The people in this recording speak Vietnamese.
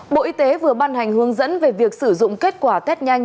bộ y tế vừa ban hành hướng dẫn về việc sử dụng kết quả test nhanh